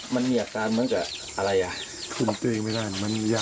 มันเหนียดกันเหมือนกับอะไรอ่ะ